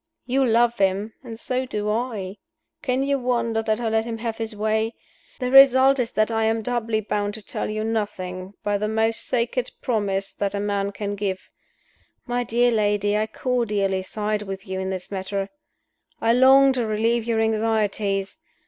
You love him, and so do I. Can you wonder that I let him have his way? The result is that I am doubly bound to tell you nothing, by the most sacred promise that a man can give. My dear lady, I cordially side with you in this matter; I long to relieve your anxieties.